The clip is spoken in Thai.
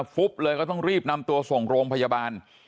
ฟุบเลยก็ต้องรีบนำตัวส่งโรงพยาบาล